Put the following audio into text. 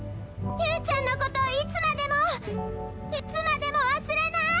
ゆうちゃんのことをいつまでもいつまでもわすれない！